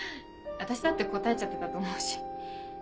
私だって答えちゃってたと思うし。